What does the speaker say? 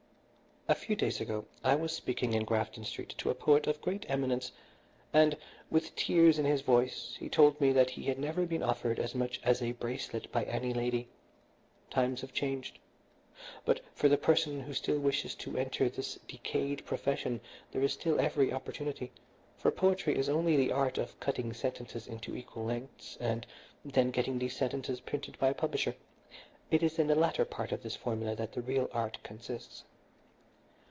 "A few days ago I was speaking in Grafton Street to a poet of great eminence, and, with tears in his voice, he told me that he had never been offered as much as a bracelet by any lady. Times have changed; but for the person who still wishes to enter this decayed profession there is still every opportunity, for poetry is only the art of cutting sentences into equal lengths, and then getting these sentences printed by a publisher. It is in the latter part of this formula that the real art consists.